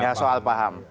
ya soal paham